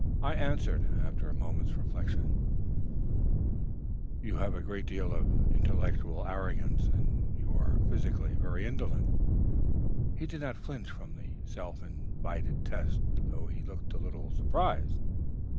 I answered, after a moment's reflection, 'You have a great deal of intellectual arrogance, and you are, physically, very indolent.' "He did not flinch from the self invited test, though he looked a little surprised.